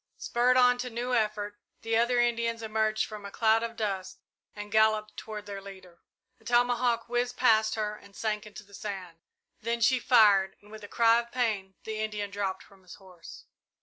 Spurred on to new effort, the other Indians emerged from a cloud of dust and galloped toward their leader. A tomahawk whizzed past her and sank into the sand. Then she fired, and with a cry of pain, the Indian dropped from his horse.